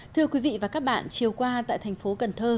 thưa quý vị và các bạn chiều qua tại tp cn